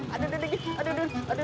aduh dingin aduh dingin